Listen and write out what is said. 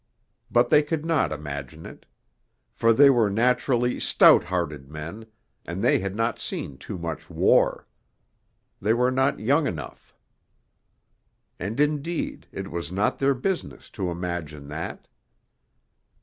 But they could not imagine it. For they were naturally stout hearted men, and they had not seen too much war. They were not young enough. And, indeed, it was not their business to imagine that....